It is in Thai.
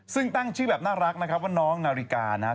ซึ่งตั้งชื่อแบบน่ารักนะครับว่าน้องนาฬิกานะครับ